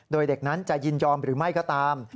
โดยเด็กนั้นจะยินยอมหรือไม่ก็ตาม